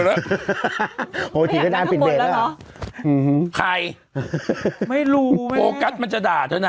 แล้วโหทีก็ได้ปิดเวทแล้วอื้อหือใครไม่รู้โฟกัสมันจะด่าเถอะน่ะ